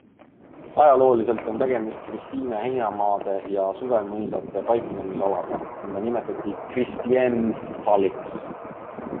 Ajalooliselt on tegemist Kristiine heinamaade ja suvemõisate paiknemisalaga, mida nimetati Christinenthaliks.